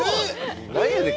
何やねん！